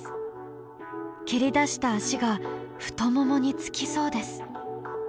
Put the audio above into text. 蹴り出した足が太ももにつきそうです。